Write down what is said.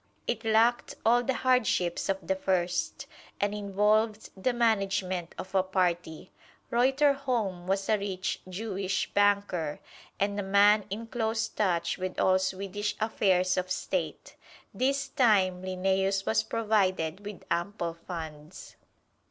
It lacked all the hardships of the first, and involved the management of a party. Reuterholm was a rich Jewish banker, and a man in close touch with all Swedish affairs of State. This time Linnæus was provided with ample funds.